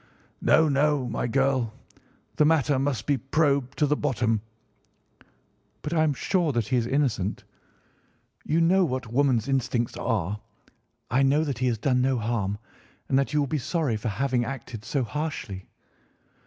"No, no, my girl, the matter must be probed to the bottom." "But I am so sure that he is innocent. You know what woman's instincts are. I know that he has done no harm and that you will be sorry for having acted so harshly."